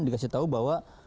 dikasih tahu bahwa